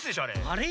あれ？